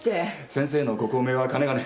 先生のご高名はかねがね。